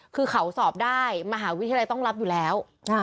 คือเขาสอบได้มหาวิทยาลัยต้องรับอยู่แล้ว